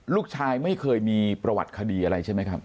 ลูกชายไม่เคยมีประวัติคดีอะไรใช่ไหมครับ